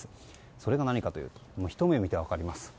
それが何かというとひと目見て分かります。